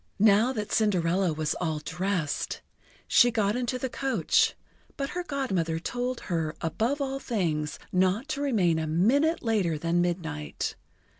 Now that Cinderella was all dressed, she got into the coach; but her Godmother told her above all things not to remain a minute later than midnight.